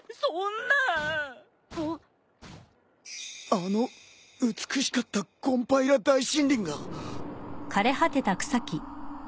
あの美しかったコンパイラ大森林が。